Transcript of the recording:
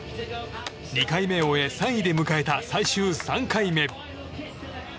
２回目を終え３位で迎えた最終、３回目。